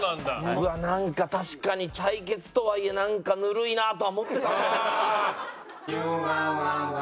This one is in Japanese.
うわっなんか確かに対決とはいえなんかぬるいなとは思ってたんだよな。